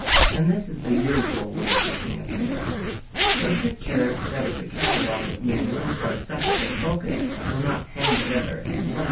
And this is the usual way of looking at things. But a picture that is a catalogue of many little parts separately focussed will not hang together as one visual impression.